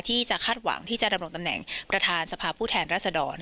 คาดหวังที่จะดำรงตำแหน่งประธานสภาพผู้แทนรัศดร